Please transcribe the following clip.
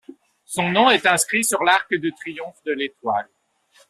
Son nom est inscrit sur l'Arc de triomphe de l'Étoile.